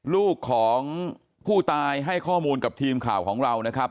ลูกของผู้ตายให้ข้อมูลกับทีมข่าวของเรานะครับ